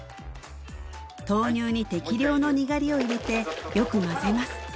豆乳に適量の苦汁を入れてよく混ぜます